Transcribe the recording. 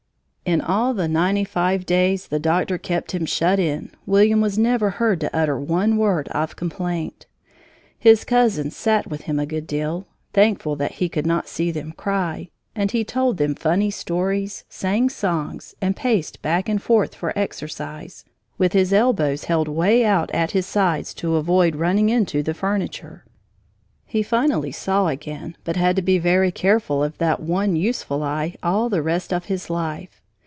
In all the ninety five days the doctor kept him shut in, William was never heard to utter one word of complaint. His cousins sat with him a good deal (thankful that he could not see them cry), and he told them funny stories, sang songs, and paced back and forth for exercise, with his elbows held way out at his sides to avoid running into the furniture. He finally saw again but had to be very careful of that one useful eye all the rest of his life.